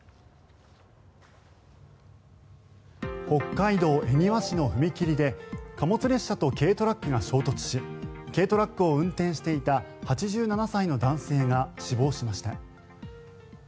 北海道恵庭市の踏切で貨物列車と軽トラックが衝突し軽トラックを運転していた８７歳の男性が死亡しました。